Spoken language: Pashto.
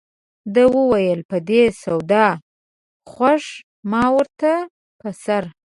ده وویل په دې سودا خوښ ما ورته په سر.